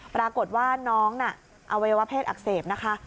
ปรากฏว่าน้องน่ะอวัยวะเพศอักเสบนะคะ